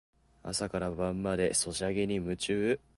朝から晩までソシャゲに夢中